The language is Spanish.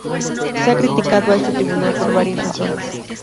Se ha criticado a este tribunal por varias razones.